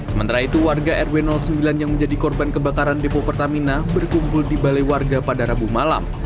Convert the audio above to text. sementara itu warga rw sembilan yang menjadi korban kebakaran depo pertamina berkumpul di balai warga pada rabu malam